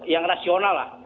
yang rasional lah